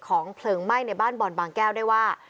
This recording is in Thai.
เพลิงไหม้ในบ้านบอลบางแก้วได้ว่า